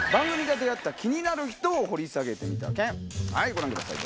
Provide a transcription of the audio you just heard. ご覧ください